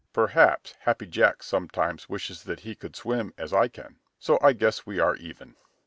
"Perhaps Happy Jack sometimes wishes that he could swim as I can, so I guess we are even.